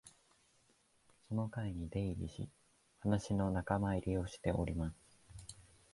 その会に出入りし、話の仲間入りをしております